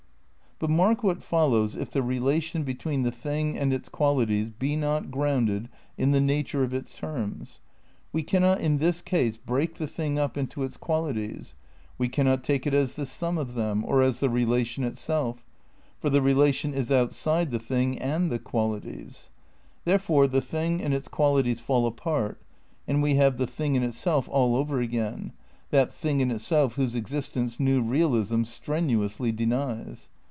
But mark what follows if the relation between the thing and its qualities be not grounded in the nature of its terms. "We cannot in this case break the thing up into its qualities, we cannot take it as the sum of them, or as the relation itself, for the relation is outside the thing a/nd, the qualities; therefore the thing and its qualities fall apart, and we have the thing in itself all over again, that thing in itself whose existence new realism strenuously denies.